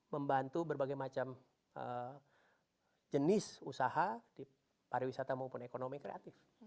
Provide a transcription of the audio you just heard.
membantu berbagai macam jenis usaha di pariwisata maupun ekonomi kreatif